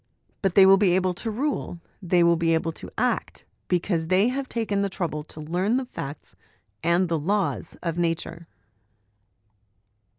But they will be able to rule, they will be able to act, because they have taken the trouble to learn the facts and the laws of Nature."